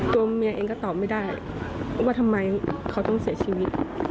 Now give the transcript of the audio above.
ตัวเมียเองก็ตอบไม่ได้ว่าทำไมเขาต้องเสียชีวิต